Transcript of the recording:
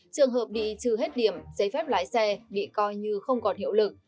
trường hợp bị trừ hết điểm giấy phép lái xe bị coi như không còn hiệu lực